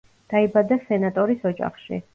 დაიბადა სენატორის ოჯახში.